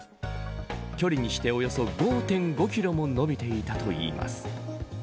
距離にしておよそ５．５キロも延びていたといいます。